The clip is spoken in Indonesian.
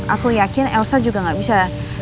aku yakin elsa juga gak bisa